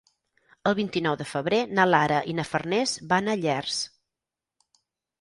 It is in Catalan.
El vint-i-nou de febrer na Lara i na Farners van a Llers.